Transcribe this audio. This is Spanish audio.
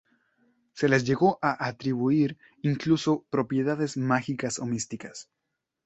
Se les llegó a atribuir incluso propiedades mágicas o místicas.